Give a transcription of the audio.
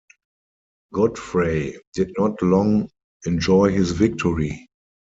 Godfrey did not long enjoy his victory.